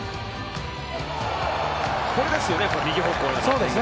これですね、右方向の。